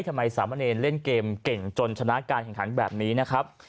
สามะเนรเล่นเกมเก่งจนชนะการแข่งขันแบบนี้นะครับ